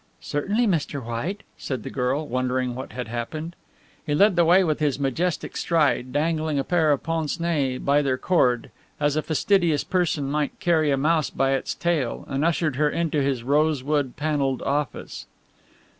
"Certainly, Mr. White," said the girl, wondering what had happened. He led the way with his majestic stride, dangling a pair of pince nez by their cord, as a fastidious person might carry a mouse by its tail, and ushered her into his rosewood panelled office.